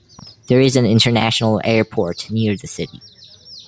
There is an international airport near the city.